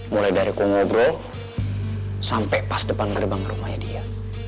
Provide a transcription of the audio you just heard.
mulai dari ku ngobrol sampai pas depan gerbang rumahnya dia